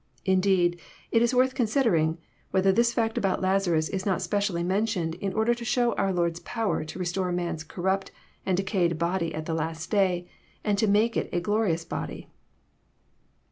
Indeed, it is worth considering, whether this fact about Lazarus is not specially mentioned in order to show our Lord's power to restore man's corrupt and decayed body at the last day, and to make it a glori ous body.